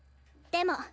でも。